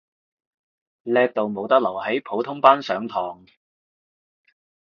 叻到冇得留喺普通班上堂